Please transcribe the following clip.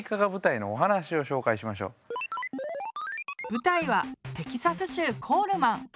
舞台はテキサス州コールマン。